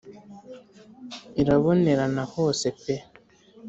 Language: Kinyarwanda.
irabonerana hose pe